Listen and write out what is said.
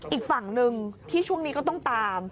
อีกฝั่งหนึ่งที่ช่วงนี้ก็ต้องตาม